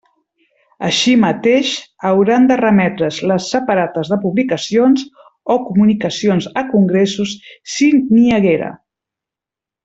Així mateix hauran de remetre's les separates de publicacions o comunicacions a congressos, si n'hi haguera.